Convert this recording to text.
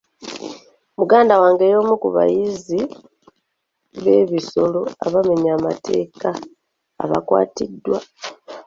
Muganda wange y'omu ku bayizzi b'ebisolo abamenya amateeka abaakwatiddwa.